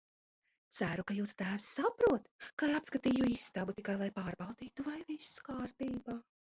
Ceru, ka jūsu tēvs saprot, ka apskatīju istabu tikai, lai pārbaudītu, vai viss kārtībā.